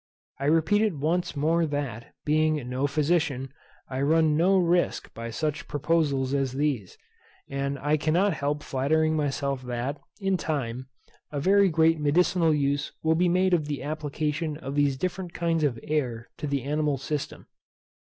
I repeat it once more that, being no physician, I run no risk by such proposals as these; and I cannot help flattering myself that, in time, very great medicinal use will be made of the application of these different kinds of air to the animal system.